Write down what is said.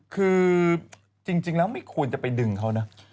คือจริงแล้วไม่ควรจะไปดึงเขานะ